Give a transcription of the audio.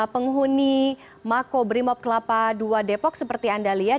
penghuni mako brimob kelapa dua depok seperti anda lihat